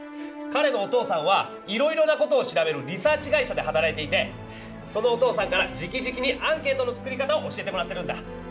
かれのお父さんはいろいろなことを調べるリサーチ会社で働いていてそのお父さんからじきじきにアンケートの作り方を教えてもらってるんだ。